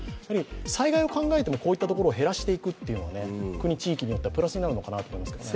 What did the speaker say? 災害を考えてもこういったところを減らしていくのが国・地域にとってはプラスになるのかなと思いますけどね。